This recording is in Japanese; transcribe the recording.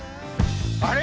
あれ？